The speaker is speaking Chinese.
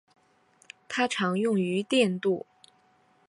它常用于电镀。